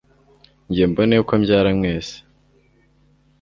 nge mbone uko mbarya mwese